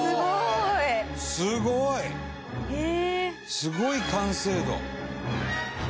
「すごい完成度」